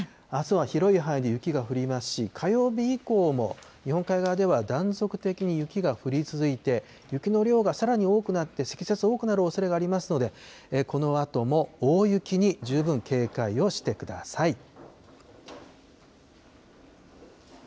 あすは広い範囲で雪が降りますし、火曜日以降も日本海側では断続的に雪が降り続いて、雪の量がさらに多くなって積雪多くなるおそれがありますので、このあとも大雪に十分警戒をしてください。